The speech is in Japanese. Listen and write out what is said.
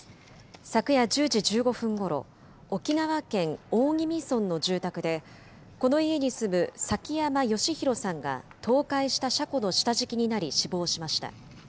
昨夜１０時１５分ごろ、沖縄県大宜味村の住宅で、この家に住む崎山喜弘さんが、倒壊した車庫の下敷きになり死亡しました。